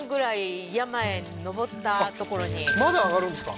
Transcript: まだ上がるんですか？